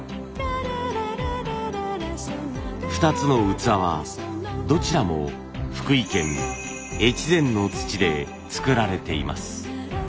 ２つの器はどちらも福井県越前の土で作られています。